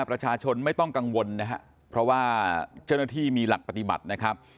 ประชาชนไม่ต้องกังวลนะครับเพราะว่าเจ้าหน้าที่มีหลักปฏิบัตินะครับ